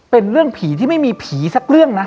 เป็นเรื่องผีที่ไม่มีผีสักเรื่องนะ